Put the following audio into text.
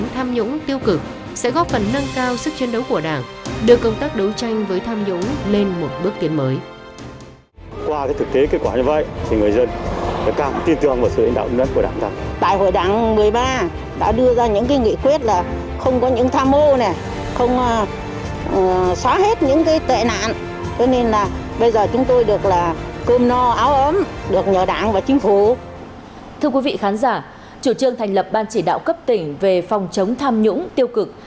thưa quý vị khán giả chủ trương thành lập ban chỉ đạo cấp tỉnh về phòng chống tham nhũng tiêu cực